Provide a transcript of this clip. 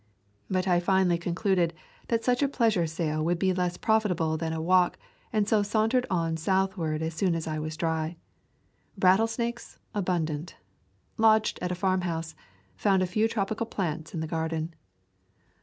But I finally concluded that such a pleasure sail would be less profit able than a walk, and so sauntered on south ward as soon as I was dry. Rattlesnakes abundant. Lodged at a farmhouse. Found a few tropical plants in the garden.